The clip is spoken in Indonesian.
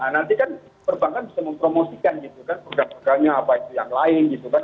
nanti kan perbankan bisa mempromosikan gitu kan program programnya apa itu yang lain gitu kan